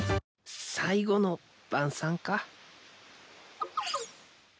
最後の晩さんか。